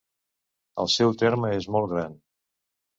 El seu terme és molt gran.